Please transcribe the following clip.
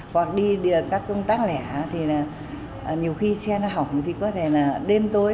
hoặc đi các công tác lẻ thì là nhiều khi xe nó hỏng thì có thể là đêm tối